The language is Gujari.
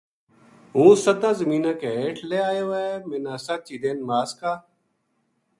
ہوں ستاں زمیناں کے ہیٹھ لہہ ایو ہے منا ست چیدین ماس کا